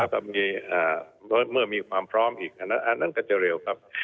เมื่อมีความพร้อมอีกอันนั้นก็จะเร็วครับ